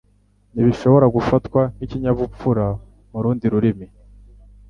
ntibishobora gufatwa nk'ikinyabupfura mu rundi rurimi